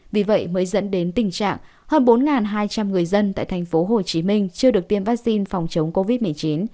vì vậy mới dẫn đến tình trạng hơn bốn hai trăm linh người dân tại thành phố hồ chí minh chưa được tiêm vaccine phòng chống covid một mươi chín